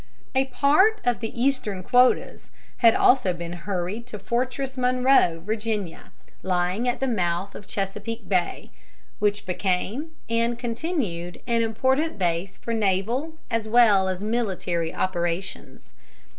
A part of the eastern quotas had also been hurried to Fortress Monroe, Virginia, lying at the mouth of Chesapeake Bay, which became and continued an important base for naval as well as military operations.